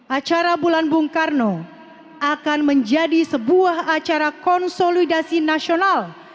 acara bulan bung karno akan menjadi sebuah acara konsolidasi nasional